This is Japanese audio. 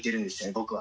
僕は。